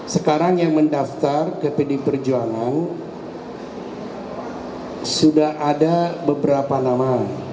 sekarang yang mendaftar ke pdi perjuangan sudah ada beberapa nama